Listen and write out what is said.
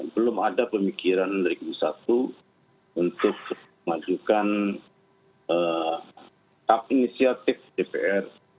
belum ada pemikiran dari kementerian pertanian untuk mengajukan takt inisiatif dpr